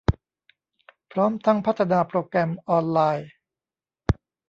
พร้อมทั้งพัฒนาโปรแกรมออนไลน์